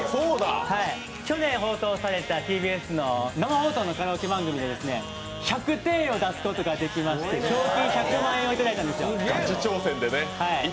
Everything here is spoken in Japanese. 去年の生放送のカラオケ番組で１００点を出すことができまして賞金１００万円をいただいたんですよ。